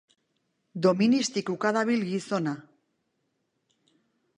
Doministikuka dabil gizona